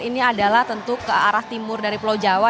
ini adalah tentu ke arah timur dari pulau jawa